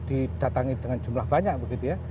didatangi dengan jumlah banyak begitu ya